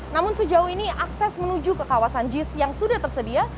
namun sejauh ini akses menuju ke kawasan jis yang sudah tersedia